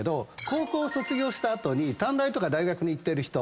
高校卒業した後に短大とか大学に行っている人。